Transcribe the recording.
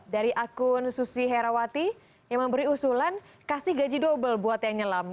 dari akun susi herawati yang memberi usulan kasih gaji double buat yang nyelam